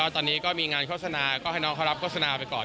ตอนนี้ก็มีงานโฆษณาก็ให้น้องเขารับโฆษณาไปก่อน